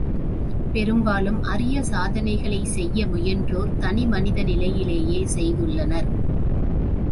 பெரும்பாலும் அரிய சாதனைகளைச் செய்ய முயன்றோர் தனி மனித நிலையிலேயே செய்துள்ளனர்.